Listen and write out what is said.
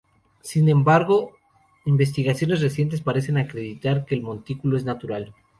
Sin embargo, investigaciones recientes parecen acreditar que el montículo es natural.